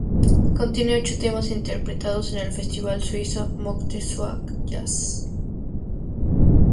Contiene ocho temas interpretados en el festival suizo Montreux Jazz.